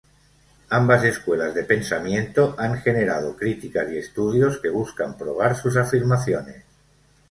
Ambas escuelas de pensamiento han generado criticas y estudios que buscan probar sus afirmaciones.